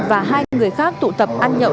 và hai người khác tụ tập ăn nhậu